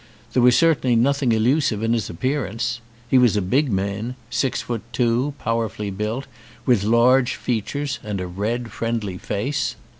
There was certainly nothing elusive in his ap pearance. He was a big man, six foot two, powerfully built, with large features and a red, friendly face.